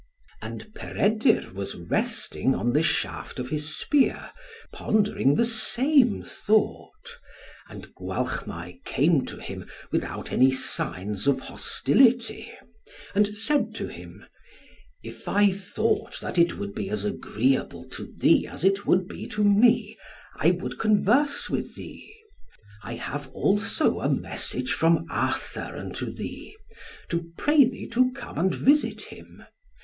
And Peredur was resting on the shaft of his spear, pondering the same thought, and Gwalchmai came to him without any signs of hostility, and said to him, "If I thought that it would be as agreeable to thee as it would be to me, I would converse with thee. I have also a message from Arthur unto thee, to pray thee to come and visit him.